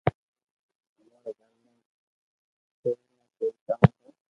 امو ري گھر ۾ ڪئي ٺا ڪاو ھي